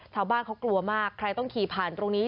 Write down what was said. ชาวบ้านเขากลัวมากใครต้องขี่ผ่านตรงนี้